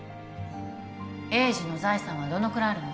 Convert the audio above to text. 栄治の財産はどのくらいあるの？